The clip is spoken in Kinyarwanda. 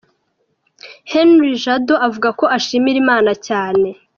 Herni Jado avuga ko ashimira cyane.